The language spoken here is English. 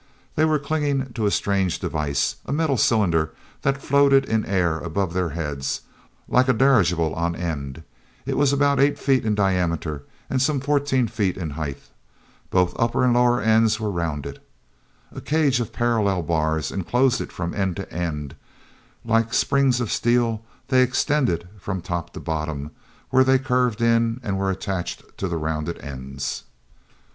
They were clinging to a strange device, a metal cylinder that floated in air above their heads like a dirigible on end. It was about eight feet in diameter and some fourteen feet in height; both upper and lower ends were rounded. A cage of parallel bars enclosed it from end to end; like springs of steel they extended from top to bottom where they curved in and were attached to the rounded ends.